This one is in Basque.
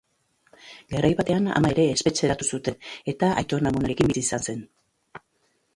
Garai batean ama ere espetxeratu zuten, eta aitona-amonekin bizi izan zen.